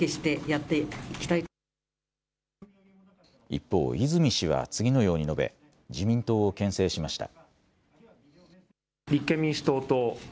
一方、泉氏は次のように述べ自民党をけん制しました。